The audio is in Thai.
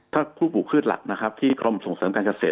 ถ้าผู้ปลูกพืชหลักนะครับที่กรมส่งเสริมการเกษตร